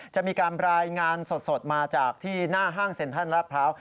จะมีการรายงานสดมาจากที่หน้าห้างเซ็นทรัลลาดพร้าว